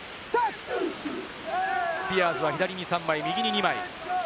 スピアーズは左に３枚、右２枚。